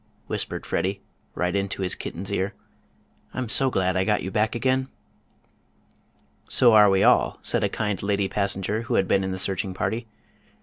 whispered Freddie, right into his kitten's ear. "I'm so glad I got you back again!" "So are we all," said a kind lady passenger who had been in the searching party.